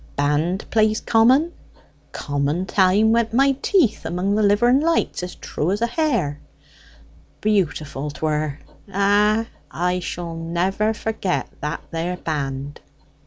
Band plays common; common time went my teeth among the liver and lights as true as a hair. Beautiful 'twere! Ah, I shall never forget that there band!"